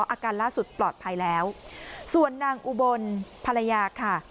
อาการล่าสุดปลอดภัยแล้วส่วนนางอุบลภรรยาค่ะ